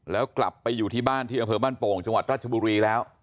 แล้วกลับไปอยู่ที่บ้านที่อำเภอบ้านโป่งจังหวัดราชบุรีแล้ว